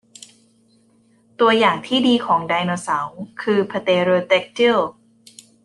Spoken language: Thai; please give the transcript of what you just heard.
ตัวอย่างที่ดีของไดโนเสาร์คือพเตเรอแดกติล